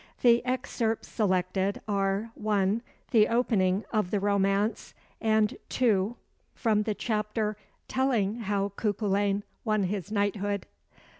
The excerpts selected are (1) the opening of the romance, and (2) from the chapter telling how Cuculain won his knighthood.